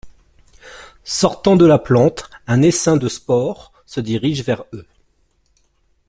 Sortant de la plante, un essaim de spore se dirige vers eux.